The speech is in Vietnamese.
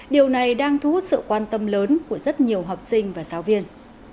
điều này đang thu hút sự quan tâm lớn của rất nhiều học sinh và giáo viên